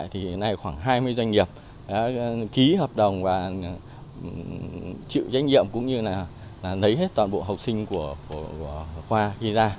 hiện nay khoảng hai mươi doanh nghiệp ký hợp đồng và chịu trách nhiệm cũng như là lấy hết toàn bộ học sinh của khoa đi ra